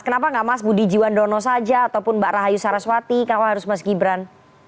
kenapa nggak mas budi jiwandono saja ataupun mbak rahayu saraswati kenapa harus mas gibran